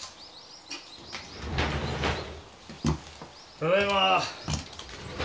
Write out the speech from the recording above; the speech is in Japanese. ただいま。